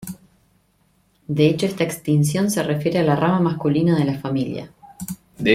De hecho, esta extinción se refiere a la rama masculina de la familia.